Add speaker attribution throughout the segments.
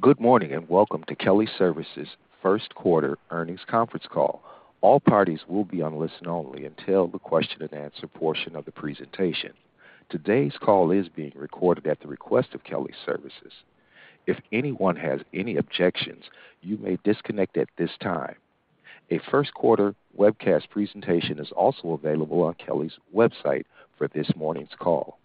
Speaker 1: Good morning, and welcome to Kelly Services' first 1/4 earnings conference call. All parties will be on listen only until the question and answer portion of the presentation. Today's call is being recorded at the request of Kelly Services. If anyone has any objections, you may disconnect at this time. A first 1/4 webcast presentation is also available on Kelly's website for this morning's call.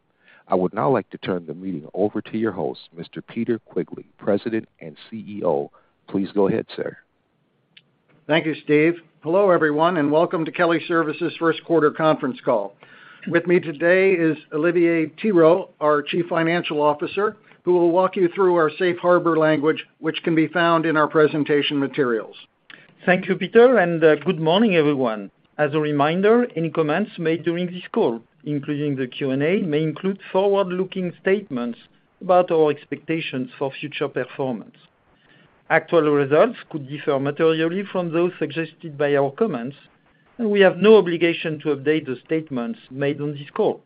Speaker 1: I would now like to turn the meeting over to your host, Mr. Peter Quigley, President and CEO. Please go ahead, sir.
Speaker 2: Thank you, Steve. Hello, everyone, and welcome to Kelly Services' first 1/4 conference call. With me today is Olivier Thirot, our Chief Financial Officer, who will walk you through our safe harbor language, which can be found in our presentation materials.
Speaker 3: Thank you, Peter, and good morning, everyone. As a reminder, any comments made during this call, including the Q&A, may include Forward-Looking statements about our expectations for future performance. Actual results could differ materially from those suggested by our comments, and we have no obligation to update the statements made on this call.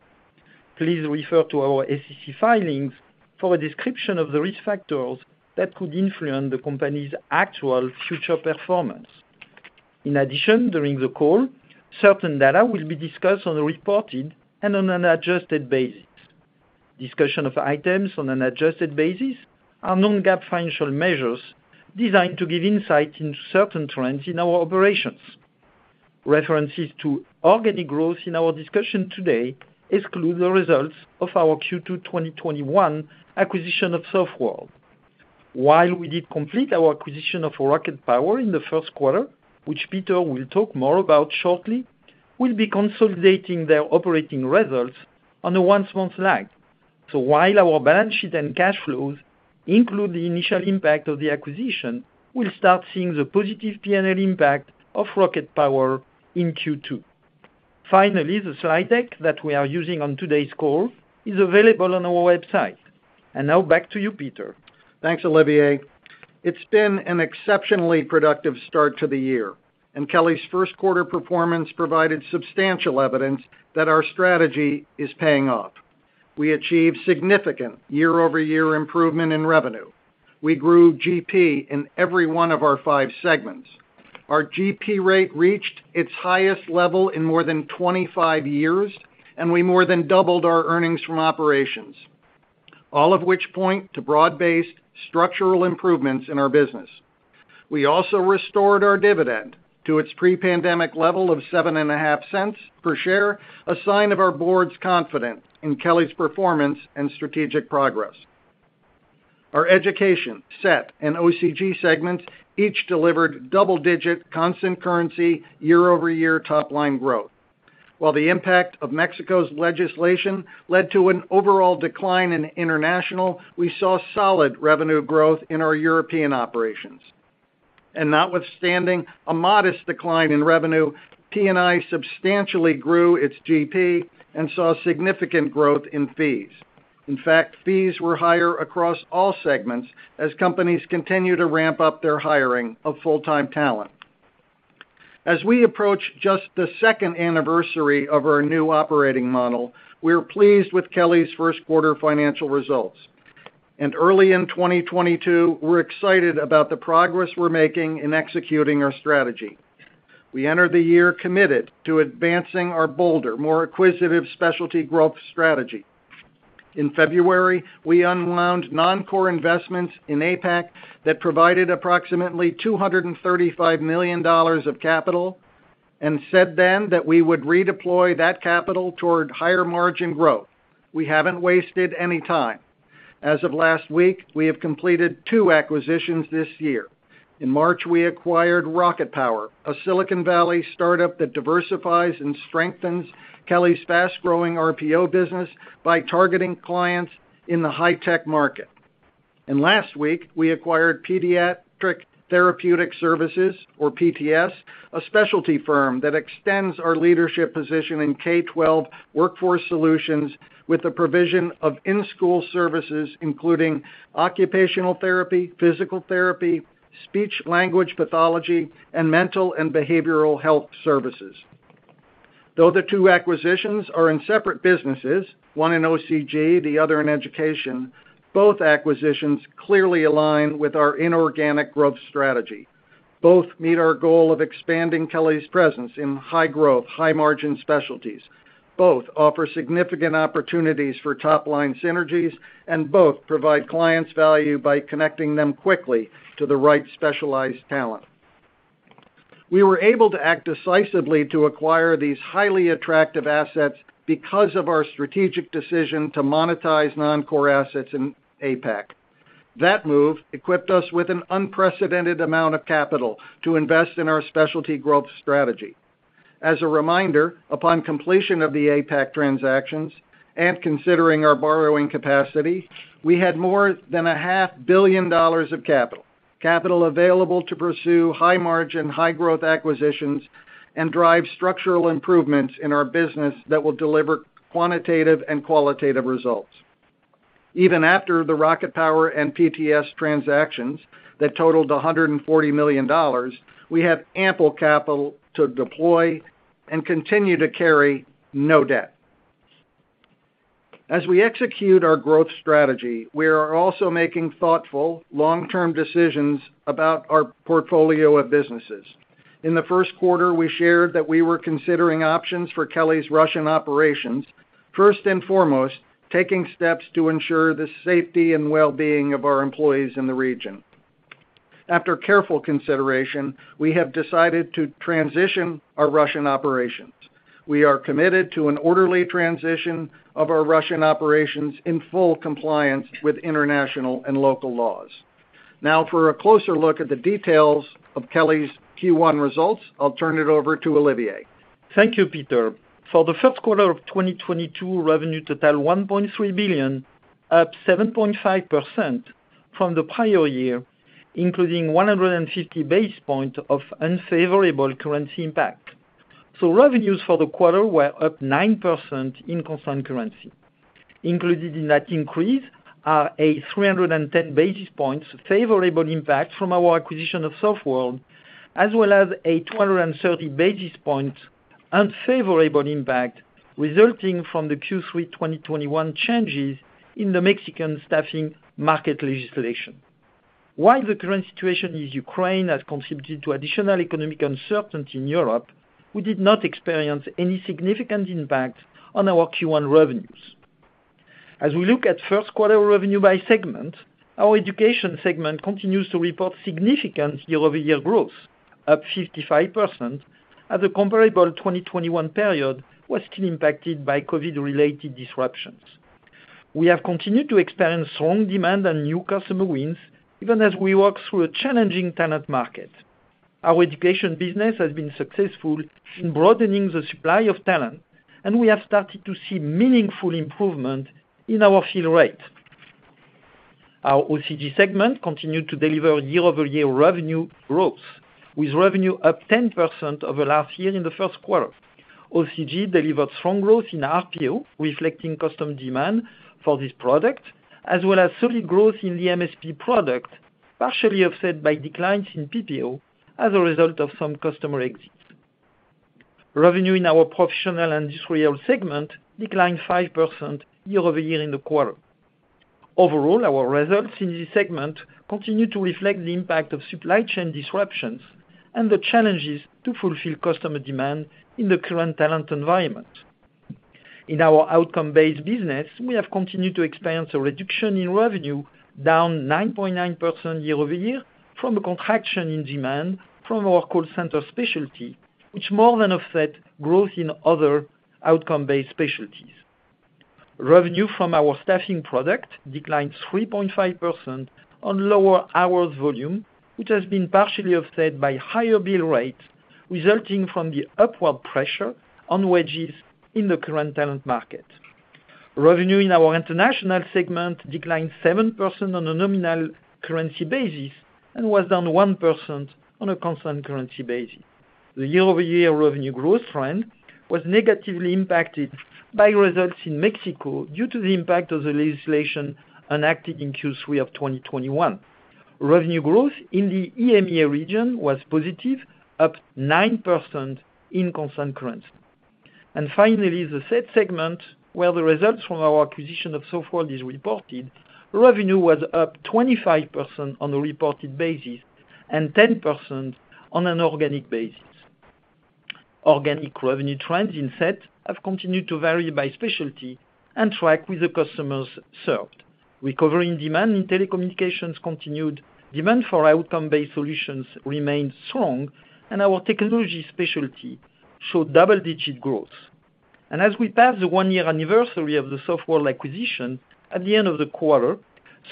Speaker 3: Please refer to our SEC filings for a description of the risk factors that could influence the company's actual future performance. In addition, during the call, certain data will be discussed on a reported and on an adjusted basis. Discussion of items on an adjusted basis are Non-GAAP financial measures designed to give insight into certain trends in our operations. References to organic growth in our discussion today exclude the results of our Q2 2021 acquisition of Softworld. While we did complete our acquisition of RocketPower in the first 1/4, which Peter will talk more about shortly, we'll be consolidating their operating results on a one-month lag. While our balance sheet and cash flows include the initial impact of the acquisition, we'll start seeing the positive P&L impact of RocketPower in Q2. Finally, the slide deck that we are using on today's call is available on our website. Now back to you, Peter.
Speaker 2: Thanks, Olivier. It's been an exceptionally productive start to the year, and Kelly's first 1/4 performance provided substantial evidence that our strategy is paying off. We achieved significant Year-Over-Year improvement in revenue. We grew GP in every one of our 5 segments. Our GP rate reached its highest level in more than 25 years, and we more than doubled our earnings from operations, all of which point to broad-based structural improvements in our business. We also restored our dividend to its Pre-pandemic level of $0.075 per share, a sign of our board's confidence in Kelly's performance and strategic progress. Our education, SET, and OCG segments each delivered Double-Digit constant currency Year-Over-Year top line growth. While the impact of Mexico's legislation led to an overall decline in international, we saw solid revenue growth in our European operations. Notwithstanding a modest decline in revenue, P&I substantially grew its GP and saw significant growth in fees. In fact, fees were higher across all segments as companies continue to ramp up their hiring of Full-Term talent. As we approach just the second anniversary of our new operating model, we're pleased with Kelly's first 1/4 financial results. Early in 2022, we're excited about the progress we're making in executing our strategy. We entered the year committed to advancing our bolder, more acquisitive specialty growth strategy. In February, we unwound Non-core investments in APAC that provided approximately $235 million of capital and said then that we would redeploy that capital toward higher margin growth. We haven't wasted any time. As of last week, we have completed 2 acquisitions this year. In March, we acquired RocketPower, a Silicon Valley startup that diversifies and strengthens Kelly's Fast-Growing RPO business by targeting clients in the High-Tech market. Last week, we acquired Pediatric Therapeutic Services, or PTS, a specialty firm that extends our leadership position in K-12 workforce solutions with the provision of in-school services, including occupational therapy, physical therapy, speech language pathology, and mental and behavioral health services. Though the 2 acquisitions are in separate businesses, one in OCG, the other in education, both acquisitions clearly align with our inorganic growth strategy. Both meet our goal of expanding Kelly's presence in high growth, high margin specialties. Both offer significant opportunities for Top-Line synergies, and both provide clients value by connecting them quickly to the right specialized talent. We were able to act decisively to acquire these highly attractive assets because of our strategic decision to monetize Non-core assets in APAC. That move equipped us with an unprecedented amount of capital to invest in our specialty growth strategy. As a reminder, upon completion of the APAC transactions and considering our borrowing capacity, we had more than a 1/2 billion dollars of capital available to pursue high margin, high growth acquisitions and drive structural improvements in our business that will deliver quantitative and qualitative results. Even after the RocketPower and PTS transactions that totaled $140 million, we have ample capital to deploy and continue to carry no debt. As we execute our growth strategy, we are also making thoughtful Long-Term decisions about our portfolio of businesses. In the first 1/4, we shared that we were considering options for Kelly's Russian operations, first and foremost, taking steps to ensure the safety and well-being of our employees in the region. After careful consideration, we have decided to transition our Russian operations. We are committed to an orderly transition of our Russian operations in full compliance with international and local laws. Now, for a closer look at the details of Kelly's Q1 results, I'll turn it over to Olivier.
Speaker 3: Thank you, Peter. For the first 1/4 of 2022, revenue totaled $1.3 billion, up 7.5% from the prior year, including 150 basis points of unfavorable currency impact. Revenues for the 1/4 were up 9% in constant currency. Included in that increase are a 310 basis points favorable impact from our acquisition of Sof2rld, as well as a 230 basis points unfavorable impact resulting from the Q3 2021 changes in the Mexican staffing market legislation. While the current situation in Ukraine has contributed to additional economic uncertainty in Europe, we did not experience any significant impact on our Q1 revenues. As we look at first 1/4 revenue by segment, our education segment continues to report significant Year-Over-Year growth, up 55% as the comparable 2021 period was still impacted by COVID-related disruptions. We have continued to experience strong demand and new customer wins even as we work through a challenging talent market. Our education business has been successful in broadening the supply of talent, and we have started to see meaningful improvement in our fill rate. Our OCG segment continued to deliver Year-Over-Year revenue growth, with revenue up 10% over last year in the first 1/4. OCG delivered strong growth in RPO, reflecting custom demand for this product, as well as solid growth in the MSP product, partially offset by declines in PPO as a result of some customer exits. Revenue in our professional industrial segment declined 5% Year-Over-Year in the 1/4. Overall, our results in this segment continue to reflect the impact of supply chain disruptions and the challenges to fulfill customer demand in the current talent environment. In our Outcome-Based business, we have continued to experience a reduction in revenue down 9.9% Year-Over-Year from a contraction in demand from our call center specialty, which more than offset growth in other Outcome-Based specialties. Revenue from our staffing product declined 3.5% on lower hours volume, which has been partially offset by higher bill rate, resulting from the upward pressure on wages in the current talent market. Revenue in our international segment declined 7% on a nominal currency basis and was down 1% on a constant currency basis. The Year-Over-Year revenue growth trend was negatively impacted by results in Mexico due to the impact of the legislation enacted in Q3 of 2021. Revenue growth in the EMEA region was positive, up 9% in constant currency. Finally, the SET segment where the results from our acquisition of Sof2rld is reported, revenue was up 25% on a reported basis and 10% on an organic basis. Organic revenue trends in SET have continued to vary by specialty and track with the customers served. Recovering demand in telecommunications continued, demand for Outcome-Based solutions remained strong, and our technology specialty showed Double-Digit growth. As we pass the 1-year anniversary of the Sof2rld acquisition at the end of the 1/4,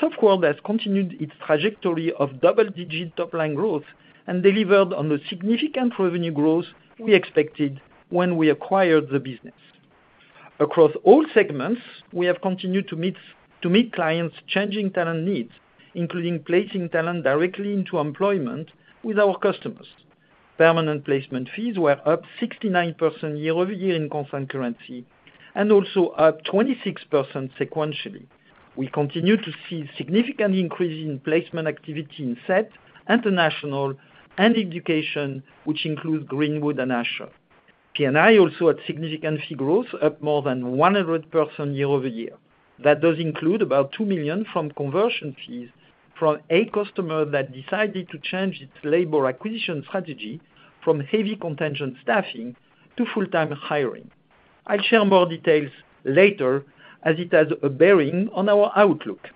Speaker 3: Sof2rld has continued its trajectory of Double-Digit Top-Line growth and delivered on the significant revenue growth we expected when we acquired the business. Across all segments, we have continued to meet clients' changing talent needs, including placing talent directly into employment with our customers. Permanent placement fees were up 69% Year-Over-Year in constant currency and also up 26% sequentially. We continue to see significant increase in placement activity in SET, international, and education, which includes Greenwood/Asher. P&I also had significant fee growth, up more than 100% Year-Over-Year. That does include about $2 million from conversion fees from a customer that decided to change its labor acquisition strategy from heavy contingent staffing to Full-Term hiring. I'll share more details later as it has a bearing on our outlook.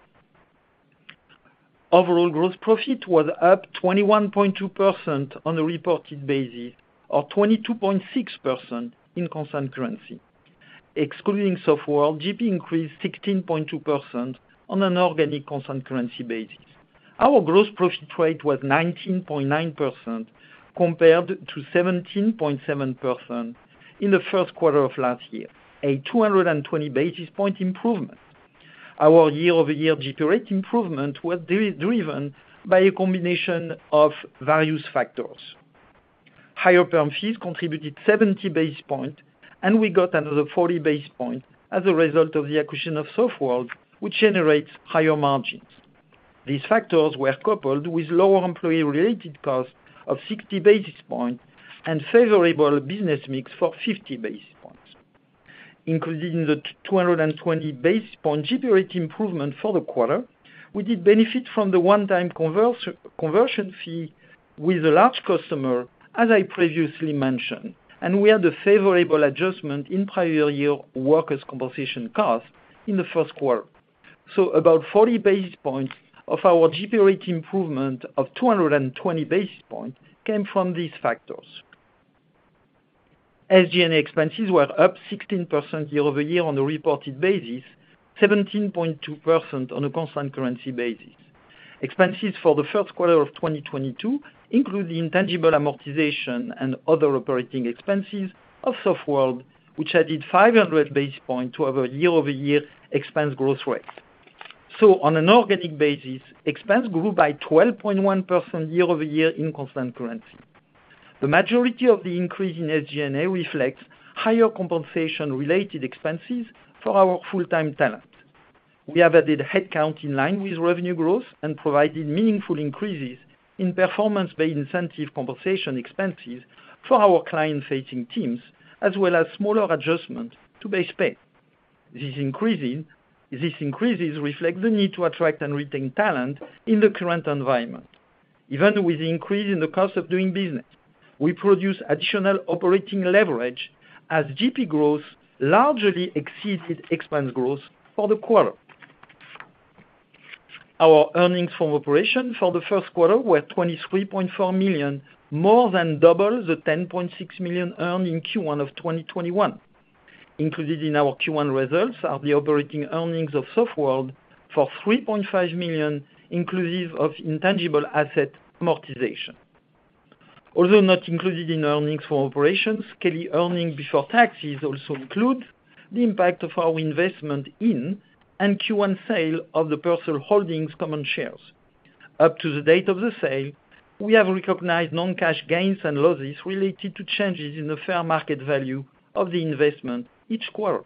Speaker 3: Overall, gross profit was up 21.2% on a reported basis, or 22.6% in constant currency. Excluding Sof2rld, GP increased 16.2% on an organic constant currency basis. Our gross profit rate was 19.9% compared to 17.7% in the first 1/4 of last year, a 220 basis point improvement. Our Year-Over-Year GP rate improvement was driven by a combination of various factors. Higher perm fees contributed 70 basis points, and we got another 40 basis points as a result of the acquisition of Sof2rld, which generates higher margins. These factors were coupled with lower Employee-Related costs of 60 basis points and favorable business mix for 50 basis points. Included in the 220 basis points GP rate improvement for the 1/4, we did benefit from the One-Time conversion fee with a large customer, as I previously mentioned, and we had a favorable adjustment in prior year workers' compensation costs in the first 1/4. About 40 basis points of our GP rate improvement of 220 basis points came from these factors. SG&A expenses were up 16% Year-Over-Year on a reported basis, 17.2% on a constant currency basis. Expenses for the first 1/4 of 2022 include the intangible amortization and other operating expenses of Sof2rld, which added 500 basis points to our Year-Over-Year expense growth rate. On an organic basis, expense grew by 12.1% Year-Over-Year in constant currency. The majority of the increase in SG&A reflects higher compensation related expenses for our Full-Term talent. We have added headcount in line with revenue growth and provided meaningful increases in performance-based incentive compensation expenses for our client-facing teams, as well as smaller adjustments to base pay. These increases reflect the need to attract and retain talent in the current environment. Even with the increase in the cost of doing business, we produce additional operating leverage as GP growth largely exceeded expense growth for the 1/4. Our earnings from operations for the first 1/4 were $23.4 million, more than double the $10.6 million earned in Q1 of 2021. Included in our Q1 results are the operating earnings of Sof2rld for $3.5 million, inclusive of intangible asset amortization. Although not included in earnings from operations, Kelly earnings before taxes also include the impact of our investment in and Q1 sale of the Persol Holdings common shares. Up to the date of the sale, we have recognized Non-Cash gains and losses related to changes in the fair market value of the investment each 1/4.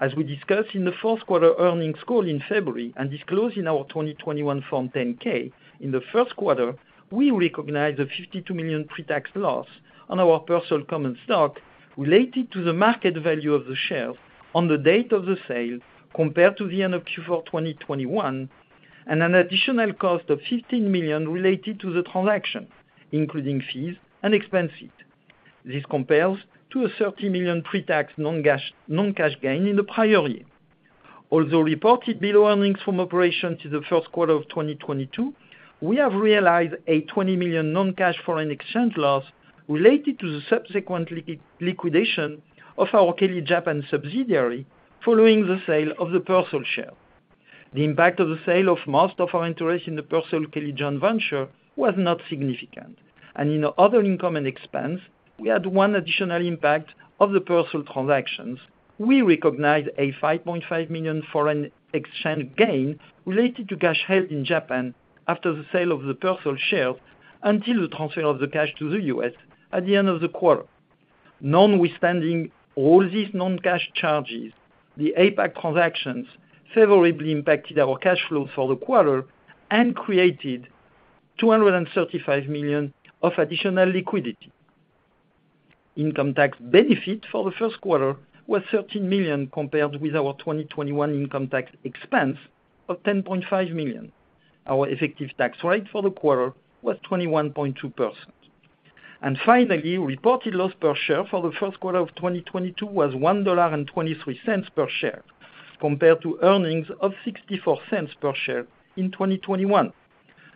Speaker 3: As we discussed in the 4th 1/4 earnings call in February and disclosed in our 2021 Form 10-K, in the first 1/4, we recognized a $52 million Pre-Tax loss on our Persol common stock related to the market value of the share on the date of the sale compared to the end of Q4 2021, and an additional cost of $15 million related to the transaction, including fees and expenses. This compares to a $30 million Pre-Tax Non-Cash gain in the prior year. Although reported below earnings from operations in the first 1/4 of 2022, we have realized a $20 million Non-Cash foreign exchange loss related to the subsequent liquidation of our Kelly Japan subsidiary following the sale of the Persol share. The impact of the sale of most of our interest in the Persol Kelly Japan venture was not significant. In other income and expense, we had one additional impact of the Persol transactions. We recognized a $5.5 million foreign exchange gain related to cash held in Japan after the sale of the Persol shares until the transfer of the cash to the U.S. at the end of the 1/4. Notwithstanding all these Non-Cash charges, the APAC transactions favorably impacted our cash flows for the 1/4 and created $235 million of additional liquidity. Income tax benefit for the first 1/4 was $13 million, compared with our 2021 income tax expense of $10.5 million. Our effective tax rate for the 1/4 was 21.2%. Finally, reported loss per share for the first 1/4 of 2022 was $1.23 per share, compared to earnings of $0.64 per share in 2021.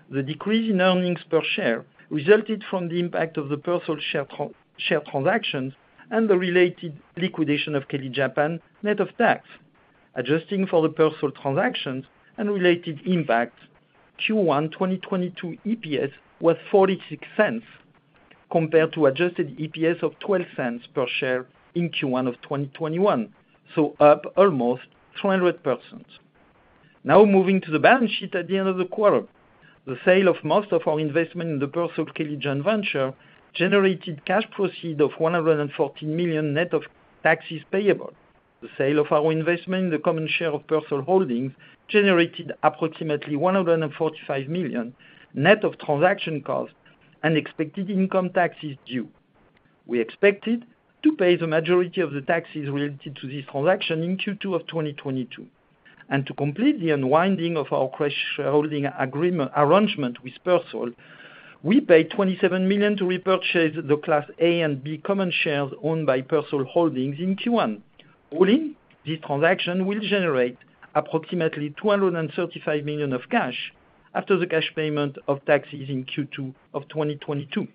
Speaker 3: The decrease in earnings per share resulted from the impact of the Persol share transactions and the related liquidation of Kelly Services Japan net of tax. Adjusting for the Persol transactions and related impacts, Q1 2022 EPS was $0.46, compared to adjusted EPS of $0.12 per share in Q1 2021, so up almost 200%. Now moving to the balance sheet at the end of the 1/4. The sale of most of our investment in the PersolKelly Japan venture generated cash proceeds of $114 million net of taxes payable. The sale of our investment in the common shares of Persol Holdings generated approximately $145 million net of transaction costs and expected income taxes due. We expected to pay the majority of the taxes related to this transaction in Q2 2022. To complete the unwinding of our cross-shareholding arrangement with Persol Holdings, we paid $27 million to repurchase the Class A and B common shares owned by Persol Holdings in Q1. All in, this transaction will generate approximately $235 million of cash after the cash payment of taxes in Q2 of 2022.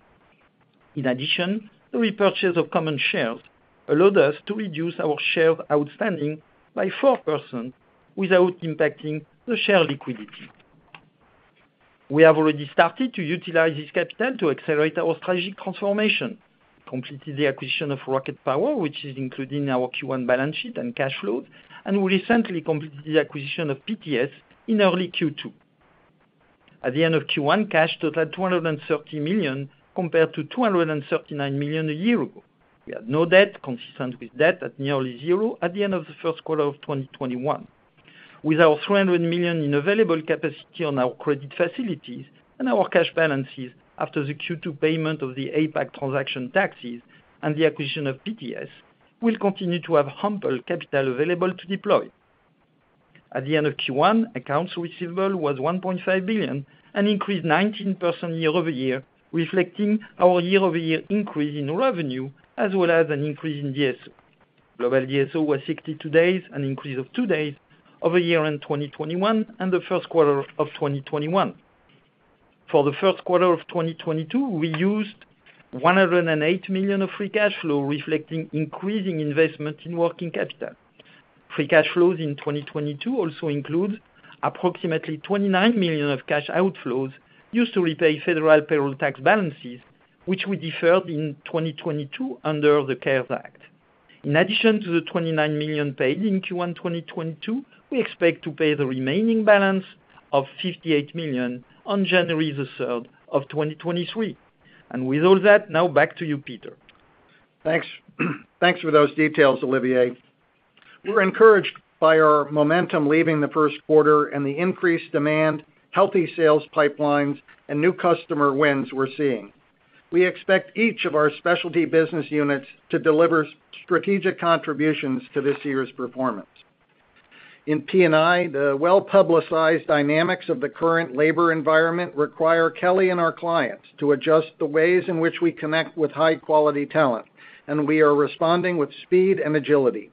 Speaker 3: In addition, the repurchase of common shares allowed us to reduce our shares outstanding by 4% without impacting the share liquidity. We have already started to utilize this capital to accelerate our strategic transformation, completed the acquisition of RocketPower, which is included in our Q1 balance sheet and cash flow, and we recently completed the acquisition of PTS in early Q2. At the end of Q1, cash totaled $230 million compared to $239 million a year ago. We had no debt, consistent with debt at nearly zero at the end of the first 1/4 of 2021. With our $300 million in available capacity on our credit facilities and our cash balances after the Q2 payment of the APAC transaction taxes and the acquisition of PTS, we'll continue to have ample capital available to deploy. At the end of Q1, accounts receivable was $1.5 billion, an increase 19% Year-Over-Year, reflecting our Year-Over-Year increase in revenue as well as an increase in DSO. Global DSO was 62 days, an increase of 2 days over a year in 2021 and the first 1/4 of 2021. For the first 1/4 of 2022, we used $108 million of free cash flow, reflecting increasing investment in working capital. Free cash flows in 2022 also includes approximately $29 million of cash outflows used to repay federal payroll tax balances, which we deferred in 2022 under the CARES Act. In addition to the $29 million paid in Q1 2022, we expect to pay the remaining balance of $58 million on January the 3rd of 2023. With all that, now back to you, Peter.
Speaker 2: Thanks. Thanks for those details, Olivier. We're encouraged by our momentum leaving the first 1/4 and the increased demand, healthy sales pipelines, and new customer wins we're seeing. We expect each of our specialty business units to deliver strategic contributions to this year's performance. In P&I, the well-publicized dynamics of the current labor environment require Kelly and our clients to adjust the ways in which we connect with High-Quality talent, and we are responding with speed and agility.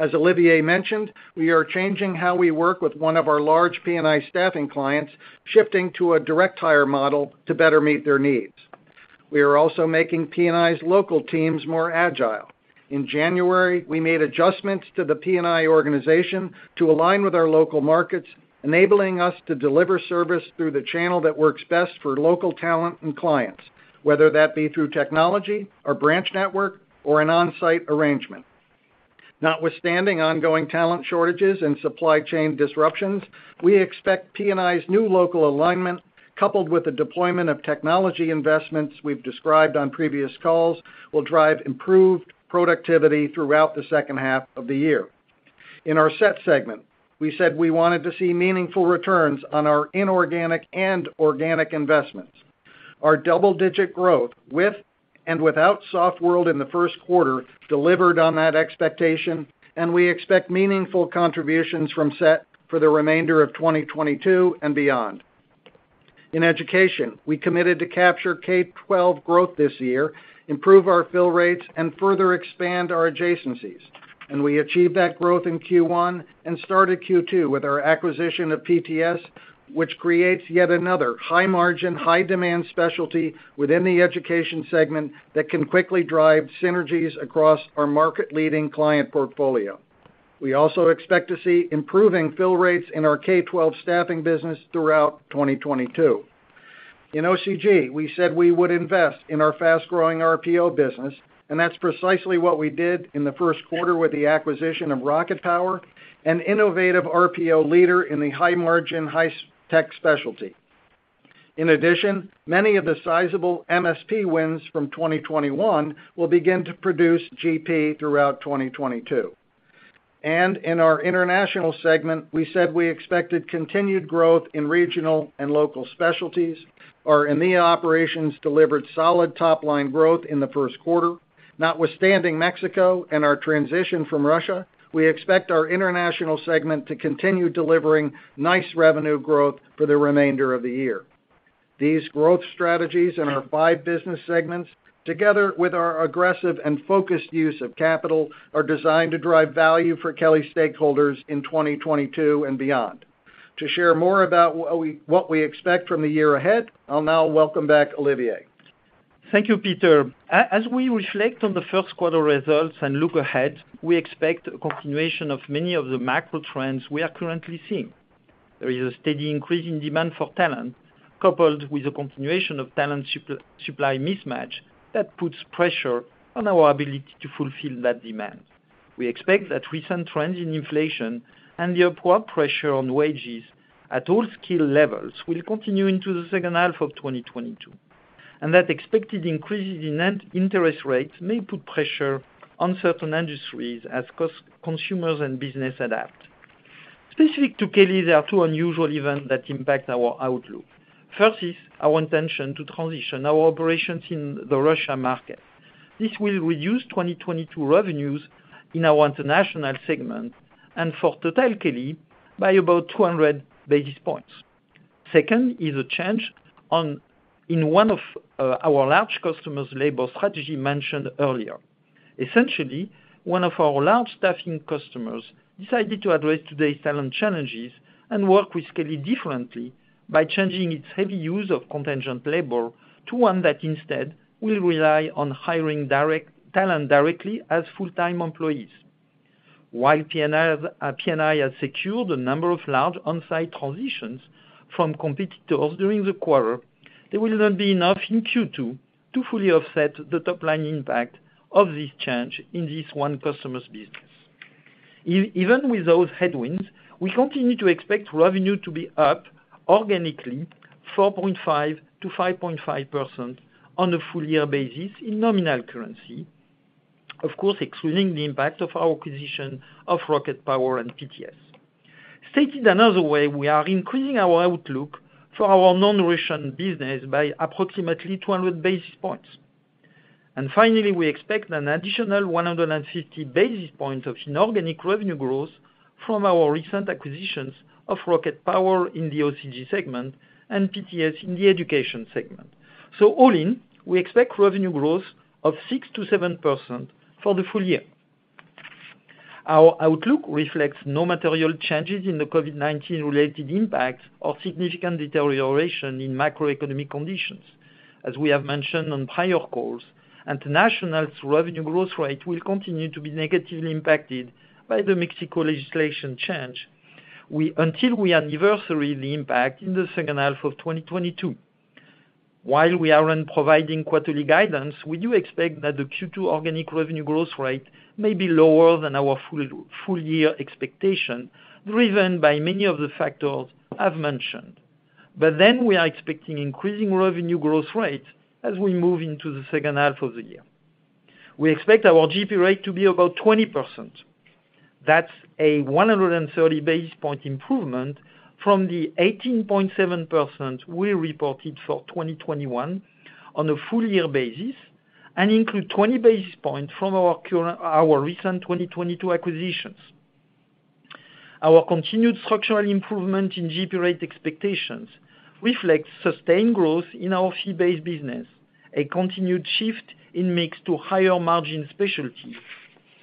Speaker 2: As Olivier mentioned, we are changing how we work with one of our large P&I staffing clients, shifting to a direct hire model to better meet their needs. We are also making P&I's local teams more agile. In January, we made adjustments to the P&I organization to align with our local markets, enabling us to deliver service through the channel that works best for local talent and clients, whether that be through technology or branch network or an On-Site arrangement. Notwithstanding ongoing talent shortages and supply chain disruptions, we expect P&I's new local alignment coupled with the deployment of technology investments we've described on previous calls will drive improved productivity throughout the second 1/2 of the year. In our SET segment, we said we wanted to see meaningful returns on our inorganic and organic investments. Our Double-Digit growth with and without Sof2rld in the first 1/4 delivered on that expectation, and we expect meaningful contributions from SET for the remainder of 2022 and beyond. In education, we committed to capture K-12 growth this year, improve our fill rates, and further expand our adjacencies. We achieved that growth in Q1 and started Q2 with our acquisition of PTS, which creates yet another High-Margin, high-demand specialty within the education segment that can quickly drive synergies across our Market-Leading client portfolio. We also expect to see improving fill rates in our K-12 staffing business throughout 2022. In OCG, we said we would invest in our Fast-Growing RPO business, and that's precisely what we did in the first 1/4 with the acquisition of RocketPower, an innovative RPO leader in the High-Margin, High-Tech specialty. In addition, many of the sizable MSP wins from 2021 will begin to produce GP throughout 2022. In our international segment, we said we expected continued growth in regional and local specialties. Our EMEA operations delivered solid Top-Line growth in the first 1/4. Notwithstanding Mexico and our transition from Russia, we expect our international segment to continue delivering nice revenue growth for the remainder of the year. These growth strategies in our 5 business segments, together with our aggressive and focused use of capital, are designed to drive value for Kelly stakeholders in 2022 and beyond. To share more about we, what we expect from the year ahead, I'll now welcome back Olivier.
Speaker 3: Thank you, Peter. As we reflect on the first 1/4 results and look ahead, we expect a continuation of many of the macro trends we are currently seeing. There is a steady increase in demand for talent, coupled with a continuation of talent supply mismatch that puts pressure on our ability to fulfill that demand. We expect that recent trends in inflation and the upward pressure on wages at all skill levels will continue into the second 1/2 of 2022, and that expected increases in interest rates may put pressure on certain industries as consumers and businesses adapt. Specific to Kelly, there are 2 unusual events that impact our outlook. First is our intention to transition our operations in the Russia market. This will reduce 2022 revenues in our international segment and for total Kelly by about 200 basis points. Second is a change in one of our large customers' labor strategy mentioned earlier. Essentially, one of our large staffing customers decided to address today's talent challenges and work with Kelly differently by changing its heavy use of contingent labor to one that instead will rely on hiring direct talent directly as Full-Term employees. While P&I has secured a number of large On-Site transitions from competitors during the 1/4, there will not be enough in Q2 to fully offset the Top-Line impact of this change in this one customer's business. Even with those headwinds, we continue to expect revenue to be up organically 4.5%-5.5% on a full year basis in nominal currency. Of course, excluding the impact of our acquisition of RocketPower and PTS. Stated another way, we are increasing our outlook for our Non-acquisition business by approximately 200 basis points. Finally, we expect an additional 150 basis points of inorganic revenue growth from our recent acquisitions of RocketPower in the OCG segment and PTS in the education segment. All in, we expect revenue growth of 6%-7% for the full year. Our outlook reflects no material changes in the COVID-19 related impact or significant deterioration in macroeconomic conditions. As we have mentioned on prior calls, International's revenue growth rate will continue to be negatively impacted by the Mexico legislation change until we anniversary the impact in the second 1/2 of 2022. While we aren't providing quarterly guidance, we do expect that the Q2 organic revenue growth rate may be lower than our full year expectation, driven by many of the factors I've mentioned. We are expecting increasing revenue growth rate as we move into the second 1/2 of the year. We expect our GP rate to be about 20%. That's a 130 basis point improvement from the 18.7% we reported for 2021 on a full year basis, and include 20 basis points from our recent 2022 acquisitions. Our continued structural improvement in GP rate expectations reflects sustained growth in our fee-based business, a continued shift in mix to higher margin specialties,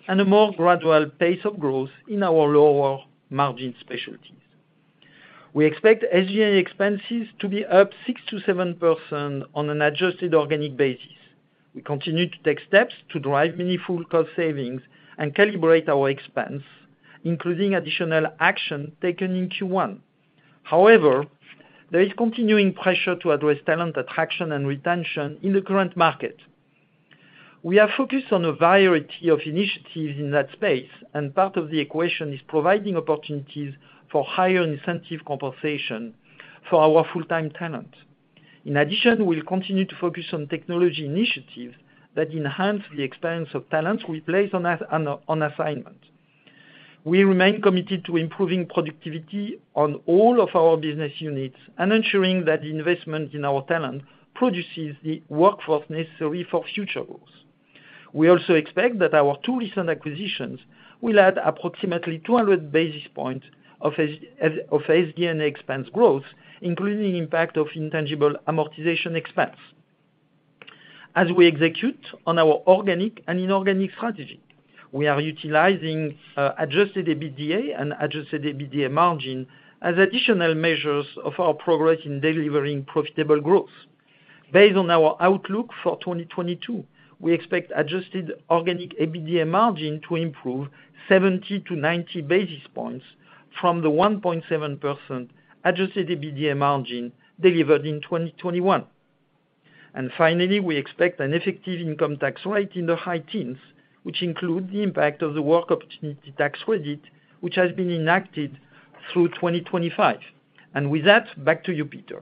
Speaker 3: and a more gradual pace of growth in our lower margin specialties. We expect SG&A expenses to be up 6%-7% on an adjusted organic basis. We continue to take steps to drive meaningful cost savings and calibrate our expense, including additional action taken in Q1. However, there is continuing pressure to address talent attraction and retention in the current market. We are focused on a variety of initiatives in that space, and part of the equation is providing opportunities for higher incentive compensation for our Full-Term talent. In addition, we'll continue to focus on technology initiatives that enhance the experience of talents we place on assignment. We remain committed to improving productivity on all of our business units and ensuring that investment in our talent produces the workforce necessary for future growth. We also expect that our 2 recent acquisitions will add approximately 200 basis points of SG&A expense growth, including the impact of intangible amortization expense. As we execute on our organic and inorganic strategy, we are utilizing adjusted EBITDA and adjusted EBITDA margin as additional measures of our progress in delivering profitable growth. Based on our outlook for 2022, we expect adjusted organic EBITDA margin to improve 70-90 basis points from the 1.7% adjusted EBITDA margin delivered in 2021. Finally, we expect an effective income tax rate in the high teens, which include the impact of the Work Opportunity Tax Credit, which has been enacted through 2025. With that, back to you, Peter.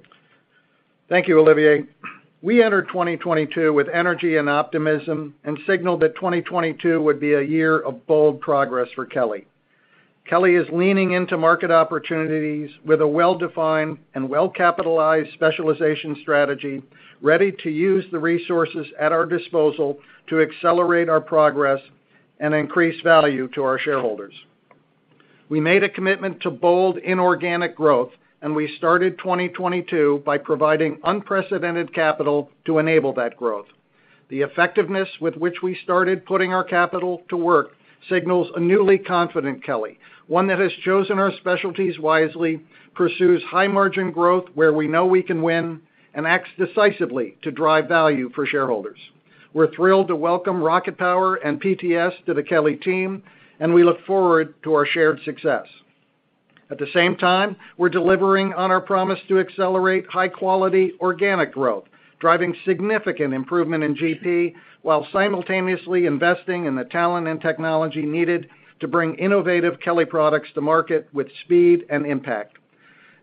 Speaker 2: Thank you, Olivier. We entered 2022 with energy and optimism and signaled that 2022 would be a year of bold progress for Kelly. Kelly is leaning into market opportunities with a well-defined and well-capitalized specialization strategy, ready to use the resources at our disposal to accelerate our progress and increase value to our shareholders. We made a commitment to bold inorganic growth, and we started 2022 by providing unprecedented capital to enable that growth. The effectiveness with which we started putting our capital to work signals a newly confident Kelly, one that has chosen our specialties wisely, pursues high margin growth where we know we can win, and acts decisively to drive value for shareholders. We're thrilled to welcome RocketPower and PTS to the Kelly team, and we look forward to our shared success. At the same time, we're delivering on our promise to accelerate High-Quality organic growth, driving significant improvement in GP, while simultaneously investing in the talent and technology needed to bring innovative Kelly products to market with speed and impact.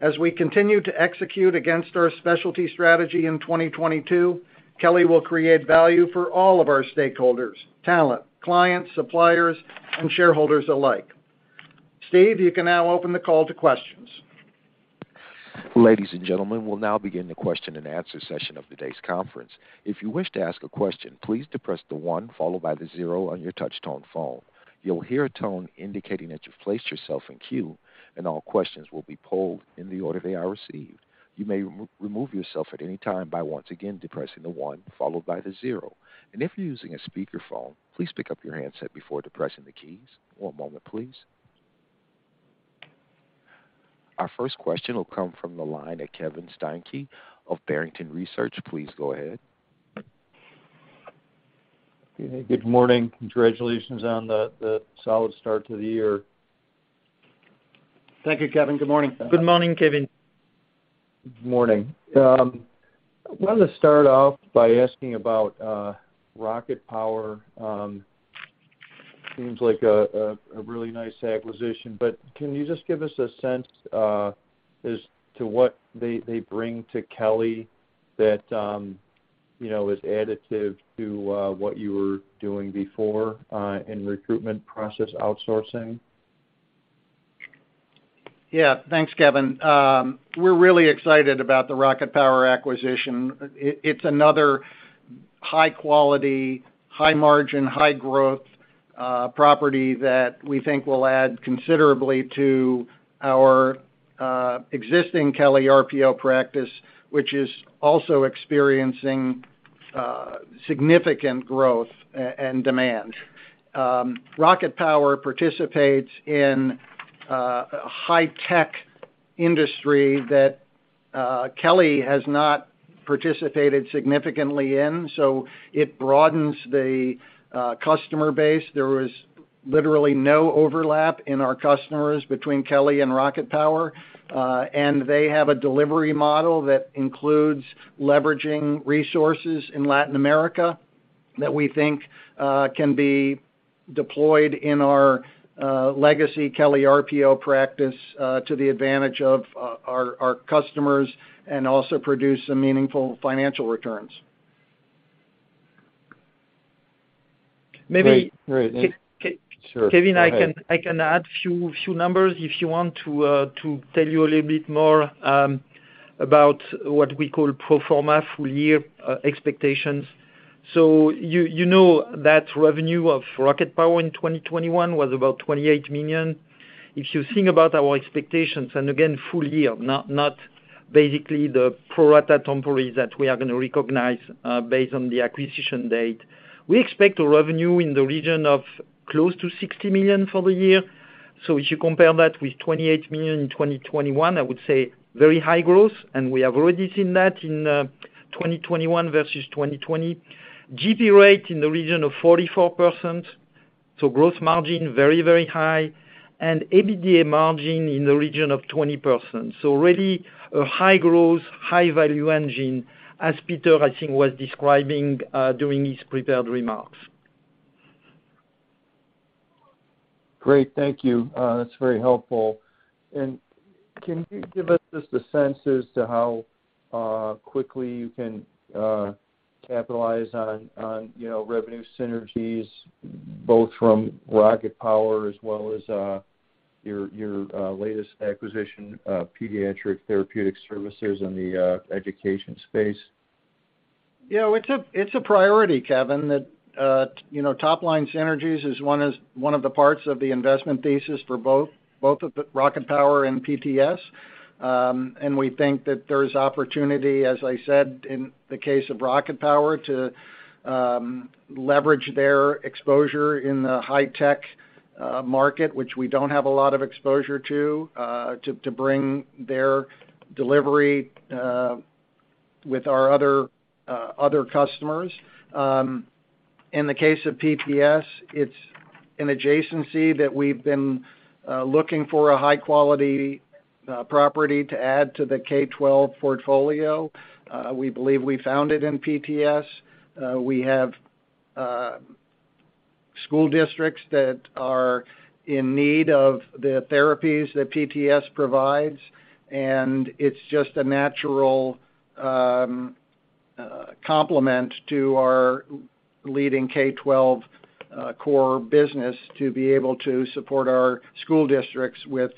Speaker 2: As we continue to execute against our specialty strategy in 2022, Kelly will create value for all of our stakeholders, talent, clients, suppliers, and shareholders alike. Steve, you can now open the call to questions.
Speaker 1: Ladies and gentlemen, we'll now begin the question-and-answer session of today's conference. If you wish to ask a question, please depress the one followed by the zero on your touch tone phone. You'll hear a tone indicating that you've placed yourself in queue, and all questions will be pulled in the order they are received. You may remove yourself at any time by once again depressing the one followed by the zero. If you're using a speakerphone, please pick up your handset before depressing the keys. One moment, please. Our first question will come from the line of Kevin Steinke of Barrington Research. Please go ahead.
Speaker 4: Good morning. Congratulations on the solid start to the year
Speaker 2: Thank you, Kevin. Good morning.
Speaker 3: Good morning, Kevin.
Speaker 4: Good morning. Wanted to start off by asking about RocketPower. Seems like a really nice acquisition, but can you just give us a sense as to what they bring to Kelly that, you know, is additive to what you were doing before in recruitment process outsourcing?
Speaker 2: Yeah. Thanks, Kevin. We're really excited about the RocketPower acquisition. It's another high quality, high margin, high growth property that we think will add considerably to our existing Kelly RPO practice, which is also experiencing significant growth and demand. RocketPower participates in a High-Tech industry that Kelly has not participated significantly in, so it broadens the customer base. There was literally no overlap in our customers between Kelly and RocketPower. They have a delivery model that includes leveraging resources in Latin America that we think can be deployed in our legacy Kelly RPO practice to the advantage of our customers and also produce some meaningful financial returns.
Speaker 3: Maybe-
Speaker 4: Great. Great.
Speaker 3: Ke- Ke-
Speaker 4: Sure. Go ahead.
Speaker 3: Kevin, I can add few numbers if you want to tell you a little bit more about what we call pro forma full year expectations. You know that revenue of RocketPower in 2021 was about $28 million. If you think about our expectations, and again, full year, not basically the pro rata temporary that we are gonna recognize based on the acquisition date. We expect revenue in the region of close to $60 million for the year. If you compare that with $28 million in 2021, I would say very high growth, and we have already seen that in 2021 versus 2020. GP rate in the region of 44%, so growth margin very, very high. EBITDA margin in the region of 20%. Already a high growth, high value engine as Peter, I think, was describing during his prepared remarks.
Speaker 4: Great. Thank you. That's very helpful. Can you give us just a sense as to how quickly you can capitalize on, you know, revenue synergies both from RocketPower as well as your latest acquisition of Pediatric Therapeutic Services in the education space?
Speaker 2: You know, it's a priority, Kevin, that you know, Top-Line synergies is one of the parts of the investment thesis for both of the RocketPower and PTS. We think that there's opportunity, as I said, in the case of RocketPower, to leverage their exposure in the High-Tech market, which we don't have a lot of exposure to bring their delivery with our other customers. In the case of PTS, it's an adjacency that we've been looking for a high quality property to add to the K-12 portfolio. We believe we found it in PTS. We have school districts that are in need of the therapies that PTS provides, and it's just a natural complement to our leading K-12 core business to be able to support our school districts with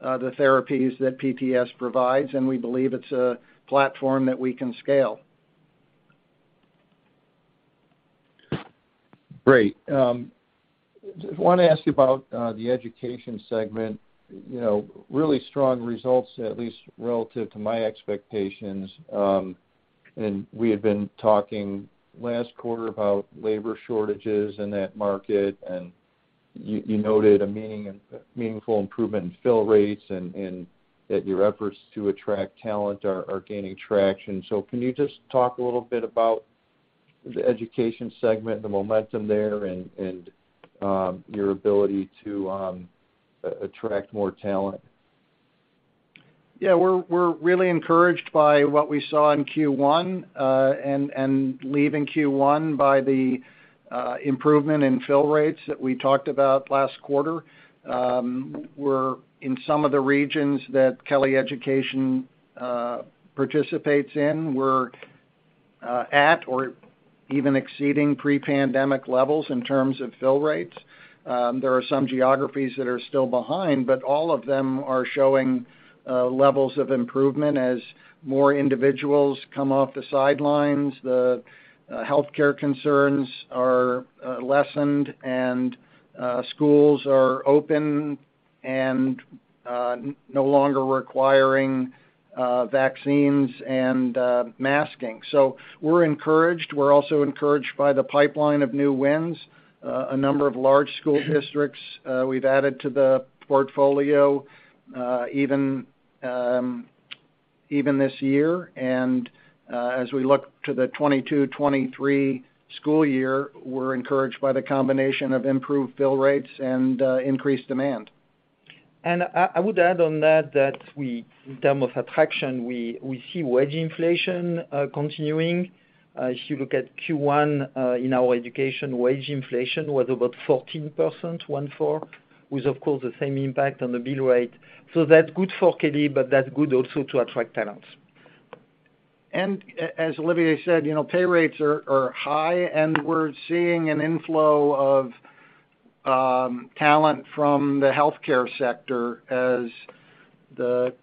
Speaker 2: the therapies that PTS provides, and we believe it's a platform that we can scale.
Speaker 4: Great. Just wanna ask you about the education segment. You know, really strong results, at least relative to my expectations. We had been talking last 1/4 about labor shortages in that market, and you noted a meaningful improvement in fill rates and that your efforts to attract talent are gaining traction. Can you just talk a little bit about the education segment, the momentum there, and your ability to attract more talent?
Speaker 2: Yeah. We're really encouraged by what we saw in Q1 and leaving Q1 with the improvement in fill rates that we talked about last 1/4. We're in some of the regions that Kelly Education participates in, we're at or even exceeding Pre-pandemic levels in terms of fill rates. There are some geographies that are still behind, but all of them are showing levels of improvement as more individuals come off the sidelines, healthcare concerns are lessened and schools are open and no longer requiring vaccines and masking. We're encouraged. We're also encouraged by the pipeline of new wins. A number of large school districts we've added to the portfolio, even this year, and as we look to the 2022-2023 school year, we're encouraged by the combination of improved bill rates and increased demand.
Speaker 3: I would add on that in terms of attraction, we see wage inflation continuing. If you look at Q1, in our education wage inflation was about 14%, with, of course, the same impact on the bill rate. That's good for Kelly, but that's good also to attract talents.
Speaker 2: As Olivier said, you know, pay rates are high, and we're seeing an inflow of talent from the healthcare sector as the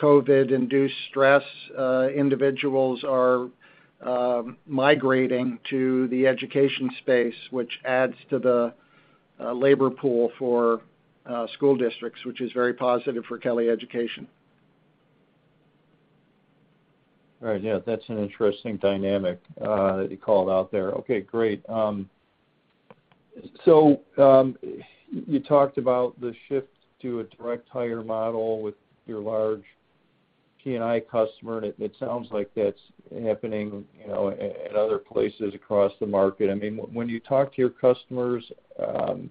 Speaker 2: COVID-induced stress individuals are migrating to the education space, which adds to the labor pool for school districts, which is very positive for Kelly Education.
Speaker 4: All right. Yeah, that's an interesting dynamic that you called out there. Okay, great. So you talked about the shift to a direct hire model with your large P&I customer, and it sounds like that's happening, you know, at other places across the market. I mean, when you talk to your customers, do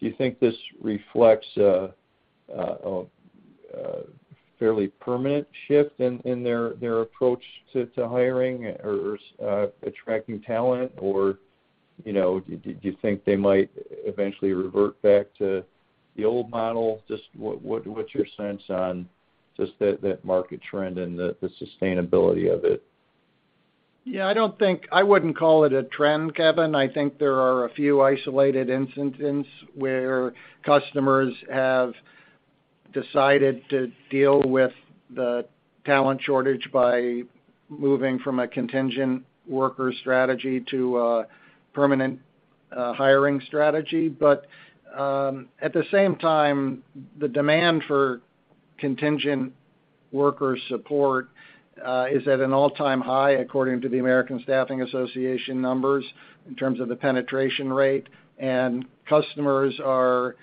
Speaker 4: you think this reflects a fairly permanent shift in their approach to hiring or attracting talent? Or, you know, do you think they might eventually revert back to the old model? Just what's your sense on just that market trend and the sustainability of it?
Speaker 2: I wouldn't call it a trend, Kevin. I think there are a few isolated instances where customers have decided to deal with the talent shortage by moving from a contingent worker strategy to a permanent hiring strategy. At the same time, the demand for contingent worker support is at an all-time high according to the American Staffing Association numbers in terms of the penetration rate. Customers are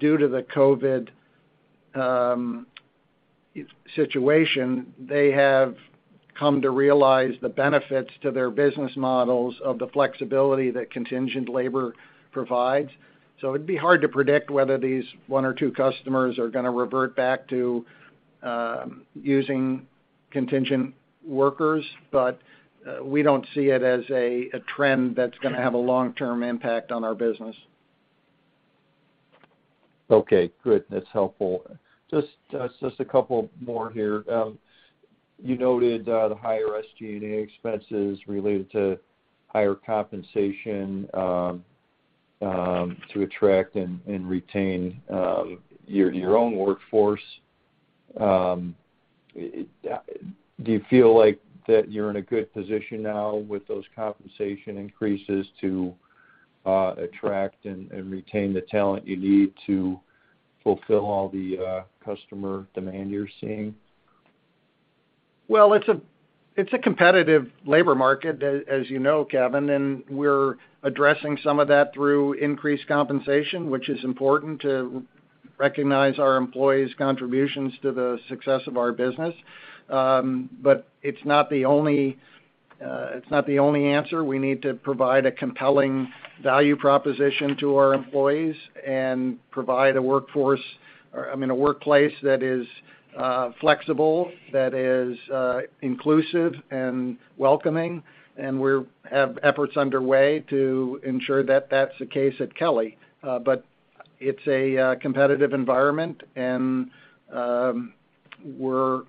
Speaker 2: due to the COVID situation. They have come to realize the benefits to their business models of the flexibility that contingent labor provides. It'd be hard to predict whether these one or 2 customers are gonna revert back to using contingent workers, but we don't see it as a trend that's gonna have a Long-Term impact on our business.
Speaker 4: Okay. Good. That's helpful. Just a couple more here. You noted the higher SG&A expenses related to higher compensation to attract and retain your own workforce. Do you feel like that you're in a good position now with those compensation increases to attract and retain the talent you need to fulfill all the customer demand you're seeing?
Speaker 2: Well, it's a competitive labor market, as you know, Kevin, and we're addressing some of that through increased compensation, which is important to recognize our employees' contributions to the success of our business. It's not the only answer. We need to provide a compelling value proposition to our employees and provide a workforce or, I mean, a workplace that is flexible, that is inclusive and welcoming, and we have efforts underway to ensure that that's the case at Kelly. It's a competitive environment and we're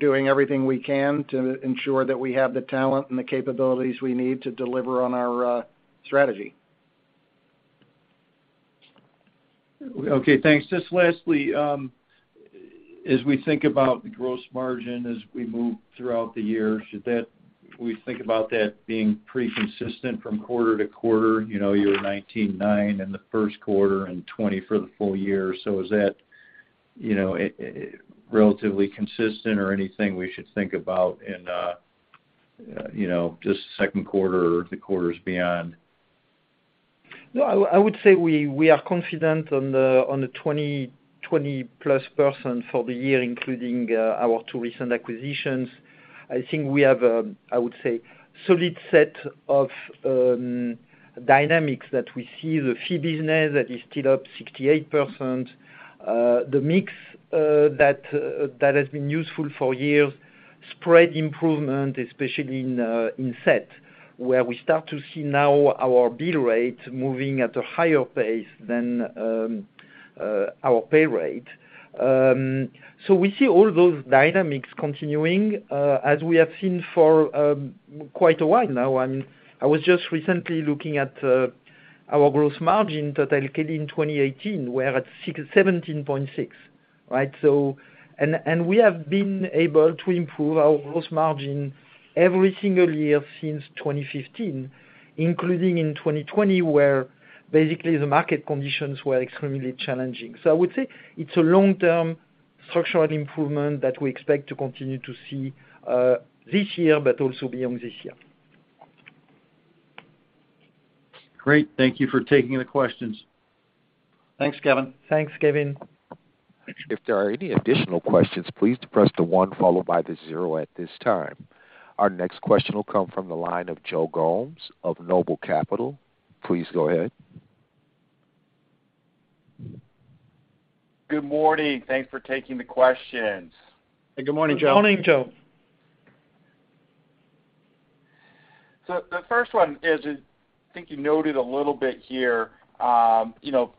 Speaker 2: doing everything we can to ensure that we have the talent and the capabilities we need to deliver on our strategy.
Speaker 4: Okay, thanks. Just lastly, as we think about the gross margin as we move throughout the year, should we think about that being pretty consistent from 1/4 to 1/4, you know, 19.9% in the first 1/4 and 20% for the full year. Is that, you know, relatively consistent or anything we should think about in, you know, just the second 1/4 or the quarters beyond?
Speaker 3: No, I would say we are confident on the 20-Plus percent for the year, including our 2 recent acquisitions. I think we have a, I would say, solid set of dynamics that we see the fee business that is still up 68%. The mix that has been useful for years, spread improvement, especially in SET, where we start to see now our bill rate moving at a higher pace than our pay rate. So we see all those dynamics continuing as we have seen for quite a while now. I mean, I was just recently looking at our gross margin, total Kelly in 2018, we're at 17.6, right? We have been able to improve our gross margin every single year since 2015, including in 2020, where basically the market conditions were extremely challenging. I would say it's a Long-Term structural improvement that we expect to continue to see this year, but also beyond this year.
Speaker 4: Great. Thank you for taking the questions.
Speaker 2: Thanks, Kevin.
Speaker 3: Thanks, Kevin.
Speaker 1: If there are any additional questions, please press the one followed by the zero at this time. Our next question will come from the line of Joe Gomes of Noble Capital Markets. Please go ahead.
Speaker 5: Good morning. Thanks for taking the questions.
Speaker 2: Good morning, Joe.
Speaker 3: Good morning, Joe.
Speaker 5: The first one is, I think you noted a little bit here, you know,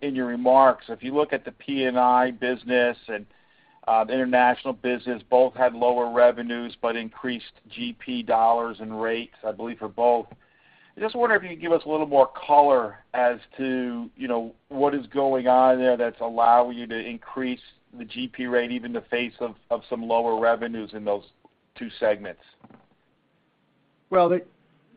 Speaker 5: in your remarks, if you look at the P&I business and the international business, both had lower revenues but increased GP dollars and rates, I believe for both. I just wonder if you can give us a little more color as to, you know, what is going on there that's allowing you to increase the GP rate, even in the face of some lower revenues in those 2 segments.
Speaker 2: Well, the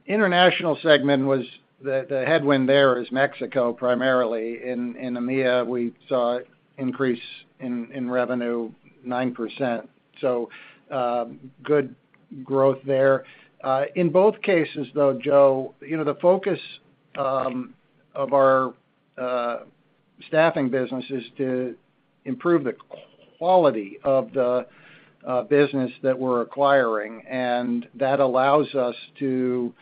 Speaker 2: international segment was the headwind there is Mexico primarily. In EMEA, we saw increase in revenue 9%. Good growth there. In both cases, though, Joe, you know, the focus of our staffing business is to improve the quality of the business that we're acquiring, and that allows us to,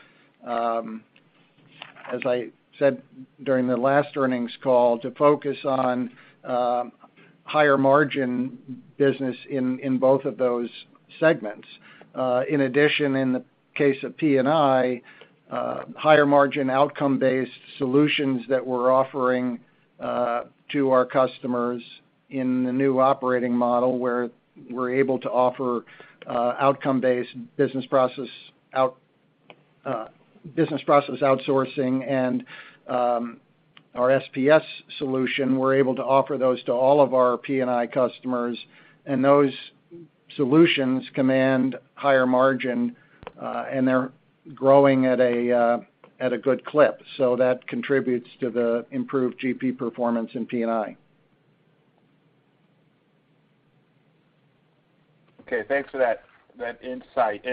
Speaker 2: as I said during the last earnings call, to focus on higher margin business in both of those segments. In addition, in the case of P&I, higher margin Outcome-Based solutions that we're offering to our customers in the new operating model where we're able to offer Outcome-Based business process outsourcing and our SPS solution, we're able to offer those to all of our P&I customers, and those solutions command higher margin, and they're growing at a good clip. That contributes to the improved GP performance in P&I.
Speaker 5: Okay, thanks for that insight.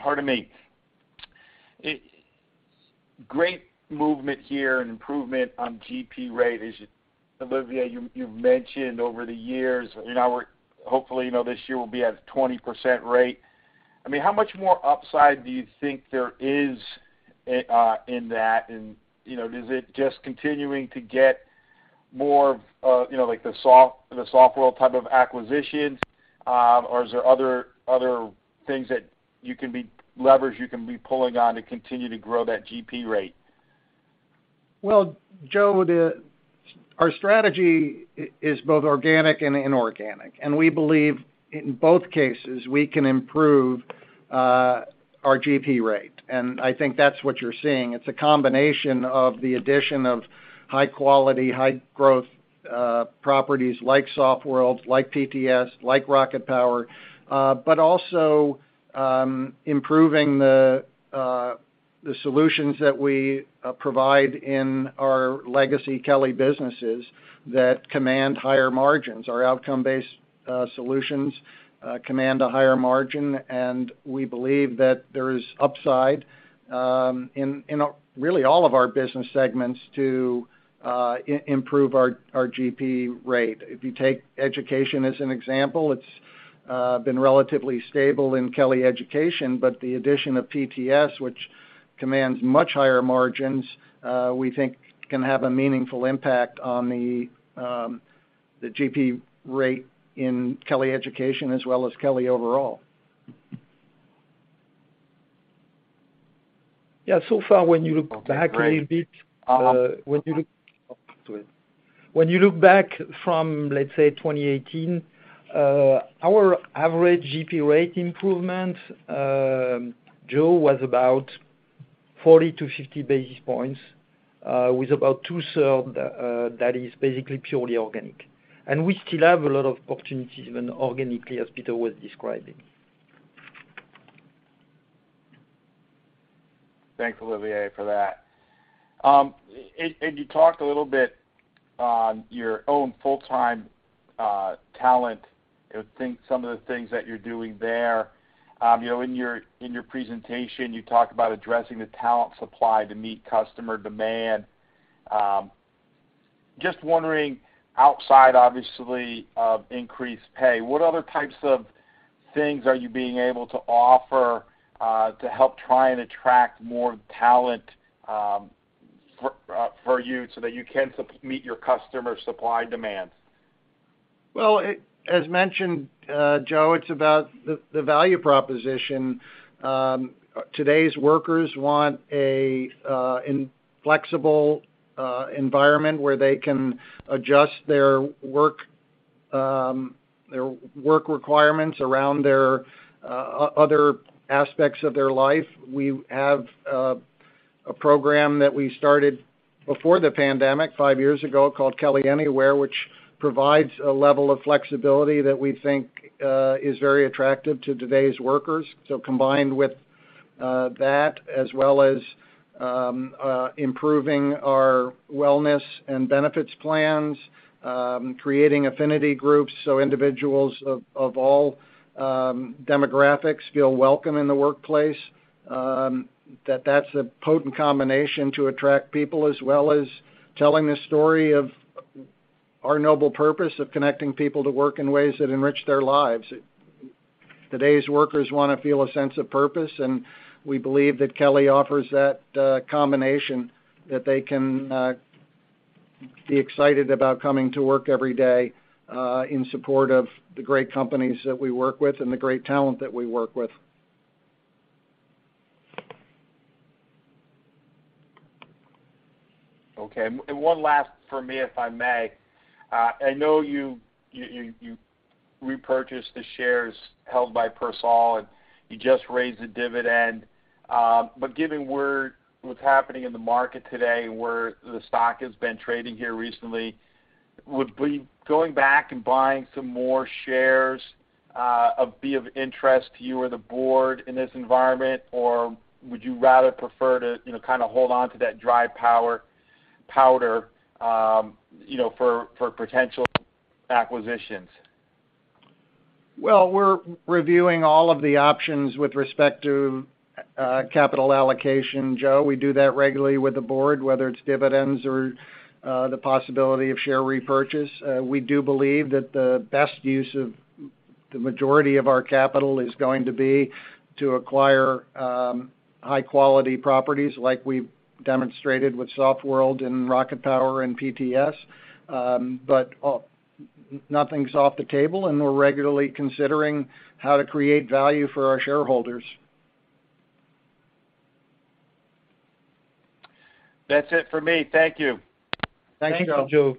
Speaker 5: Pardon me. Great movement here and improvement on GP rate. Olivier, you mentioned over the years, and now hopefully, you know, this year we'll be at a 20% rate. I mean, how much more upside do you think there is in that? You know, is it just continuing to get more of, you know, like the Sof2rld type of acquisitions, or is there other levers you can be pulling on to continue to grow that GP rate?
Speaker 2: Well, Joe, our strategy is both organic and inorganic, and we believe in both cases, we can improve our GP rate. I think that's what you're seeing. It's a combination of the addition of high quality, high growth properties like Sof2rld, like PTS, like RocketPower, but also improving the solutions that we provide in our legacy Kelly businesses that command higher margins. Our Outcome-Based solutions command a higher margin, and we believe that there is upside, you know, really all of our business segments to improve our GP rate. If you take education as an example, it's been relatively stable in Kelly Education, but the addition of PTS, which commands much higher margins, we think can have a meaningful impact on the GP rate in Kelly Education as well as Kelly overall.
Speaker 3: Yeah, so far, when you look back a little bit, when you look back from, let's say, 2018, our average GP rate improvement, Joe, was about 40-50 basis points, with about 2-thirds that is basically purely organic. We still have a lot of opportunities even organically, as Peter was describing.
Speaker 5: Thanks, Olivier, for that. You talked a little bit on your own Full-Term talent, I think some of the things that you're doing there. You know, in your presentation, you talked about addressing the talent supply to meet customer demand. Just wondering, outside, obviously, of increased pay, what other types of things are you being able to offer to help try and attract more talent, for you so that you can meet your customer supply demands?
Speaker 2: Well, as mentioned, Joe, it's about the value proposition. Today's workers want a flexible environment where they can adjust their work requirements around their other aspects of their life. We have a program that we started before the pandemic 5 years ago called Kelly Anywhere, which provides a level of flexibility that we think is very attractive to today's workers. Combined with that, as well as improving our wellness and benefits plans, creating affinity groups, individuals of all demographics feel welcome in the workplace. That's a potent combination to attract people as well as telling the story of our noble purpose of connecting people to work in ways that enrich their lives. Today's workers wanna feel a sense of purpose, and we believe that Kelly offers that combination that they can be excited about coming to work every day, in support of the great companies that we work with and the great talent that we work with.
Speaker 5: Okay. One last from me, if I may. I know you repurchased the shares held by Persol, and you just raised the dividend. Given what's happening in the market today, where the stock has been trading here recently, would going back and buying some more shares be of interest to you or the board in this environment? Would you rather prefer to, you know, kinda hold on to that dry powder, you know, for potential acquisitions?
Speaker 2: Well, we're reviewing all of the options with respect to capital allocation, Joe. We do that regularly with the board, whether it's dividends or the possibility of share repurchase. We do believe that the best use of the majority of our capital is going to be to acquire High-Quality properties like we've demonstrated with Softworld and RocketPower and PTS. But nothing's off the table, and we're regularly considering how to create value for our shareholders.
Speaker 5: That's it for me. Thank you.
Speaker 2: Thank you, Joe.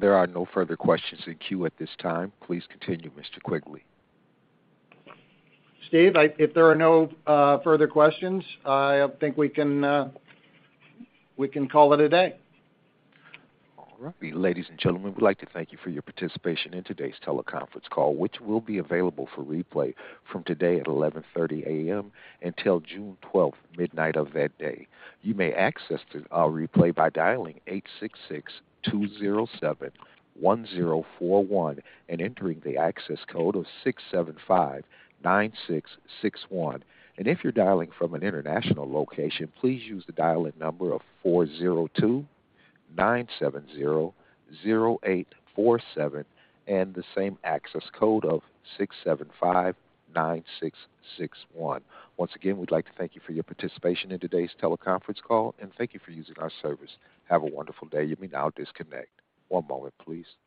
Speaker 1: There are no further questions in queue at this time. Please continue, Mr. Quigley.
Speaker 2: Steve, if there are no further questions, I think we can call it a day.
Speaker 1: All right. Ladies and gentlemen, we'd like to thank you for your participation in today's teleconference call, which will be available for replay from today at 11:30 A.M. until June twelfth, midnight of that day. You may access the replay by dialing 866-207-1041 and entering the access code of 6759661. If you're dialing from an international location, please use the dial-in number of 402-970-0847 and the same access code of 6759661. Once again, we'd like to thank you for your participation in today's teleconference call, and thank you for using our service. Have a wonderful day. You may now disconnect. One moment, please.